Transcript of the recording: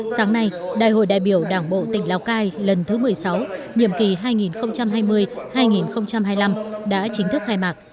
sáng nay đại hội đại biểu đảng bộ tỉnh lào cai lần thứ một mươi sáu nhiệm kỳ hai nghìn hai mươi hai nghìn hai mươi năm đã chính thức khai mạc